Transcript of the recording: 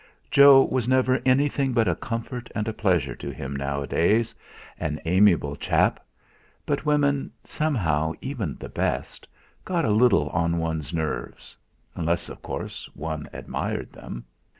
Jo was never anything but a comfort and a pleasure to him nowadays an amiable chap; but women, somehow even the best got a little on one's nerves, unless of course one admired them.